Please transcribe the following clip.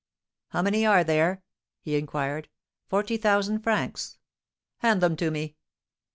"How many are there?" he inquired. "Forty thousand francs." "Hand them to me!"